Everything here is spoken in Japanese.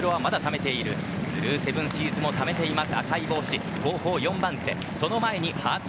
スルーセブンシーズもためています。